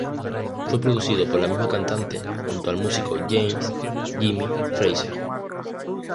Fue producido por la misma cantante junto al músico James "Jimmy" Frazier.